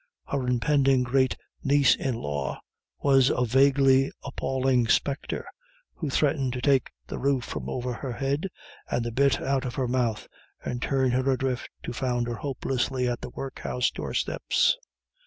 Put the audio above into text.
Her impending great niece in law was a vaguely appalling spectre, who threatened to take the roof from over her head, and the bit out of her mouth, and turn her adrift to founder hopelessly on the workhouse doorsteps.